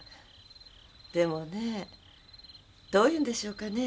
でもねどういうんでしょうかね。